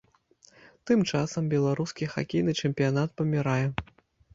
Тым часам, беларускі хакейны чэмпіянат памірае.